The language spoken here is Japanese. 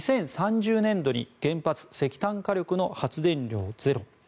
２０３０年度に原発、石炭火力の発電量ゼロ。